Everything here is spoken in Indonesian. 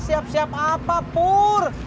hai siap apa pur